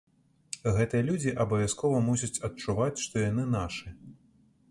Гэтыя людзі абавязкова мусяць адчуваць, што яны нашы.